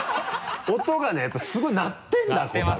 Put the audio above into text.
音がねやっぱすごい鳴ってるんだ瑚太郎。